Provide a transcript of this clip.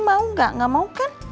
mau gak mau kan